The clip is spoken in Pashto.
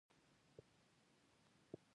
کريم :زه دا خبره بيا تکرار وم.